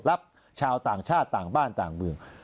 ชาวต่างชาติต่างบ้านต่างเมือง